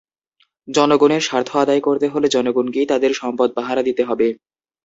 জনগণের স্বার্থ আদায় করতে হলে জনগণকেই তাদের সম্পদ পাহারা দিতে হবে।